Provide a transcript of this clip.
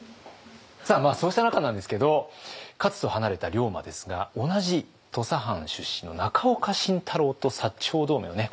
そうした中なんですけど勝と離れた龍馬ですが同じ土佐藩出身の中岡慎太郎と長同盟をね